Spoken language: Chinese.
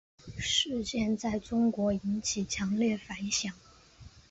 事件在中国引起强烈反响。